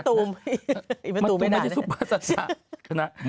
ให้แม่ตูมไม่อาจได้